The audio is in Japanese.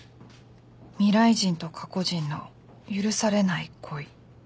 未来人と過去人の許されない恋。